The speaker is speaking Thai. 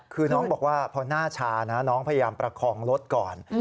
คือน้องบอกว่าพอหน้าชานะน้องพยายามประคองรถก่อน